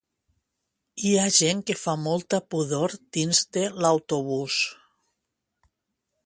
Hi ha gent que fa molta pudor dins de l'autobús